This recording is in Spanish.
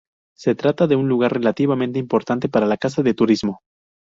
Se trata de un lugar relativamente importante para la casa de turismo.